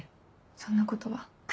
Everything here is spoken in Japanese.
そんなことは。